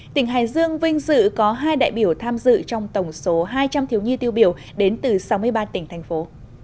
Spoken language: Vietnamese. tỉnh hải dương vinh dự có hai đại biểu tham dự trong tổng số hai trăm linh thiếu nhi tiêu biểu đến từ sáu mươi ba tỉnh thành phố